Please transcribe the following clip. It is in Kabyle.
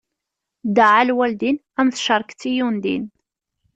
Ddeɛɛa lwaldin, am tceṛket i undin.